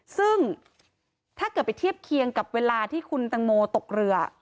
ซึ่งถ้าเกิดไปเทียบเคียงกับเวลาที่คุณตังโมตกเรือ